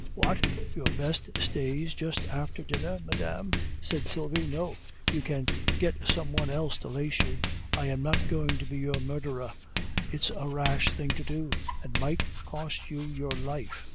"What! your best stays just after dinner, madame?" said Sylvie. "No, you can get some one else to lace you. I am not going to be your murderer. It's a rash thing to do, and might cost you your life."